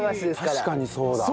確かにそうだ。